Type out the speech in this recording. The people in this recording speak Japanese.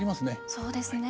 そうですね。